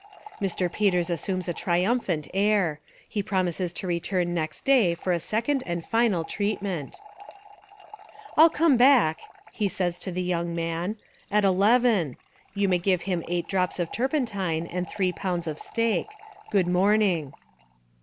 Mr. Peters assumes a triumphant air. He 255i Essays and Literary Studies promises to return next day for a second and final treatment. "I'll come back," he says to the young man, "at eleven. You may give him eight drops of turpentine and three pounds of steak. Good morning."